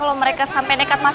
sami mau katung pak alec